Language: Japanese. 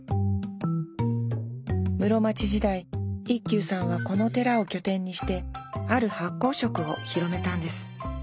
室町時代一休さんはこの寺を拠点にしてある発酵食を広めたんです。